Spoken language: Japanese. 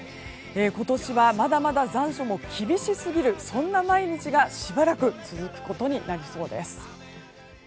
今年はまだまだ残暑も厳しすぎるそんな毎日がしばらく続くことになりそうです。